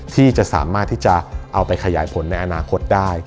ที่จะสามารถที่จะเอาไปขยายผลในอนาคตได้